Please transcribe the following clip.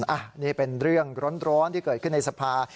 อันนี้เป็นเรื่องร้อนที่เกิดขึ้นในสภา